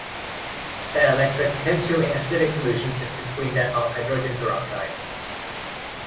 Their electric potential in acidic solutions is between that of hydrogen peroxide.